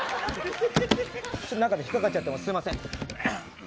ちょっと中で引っかかっちゃってすいません。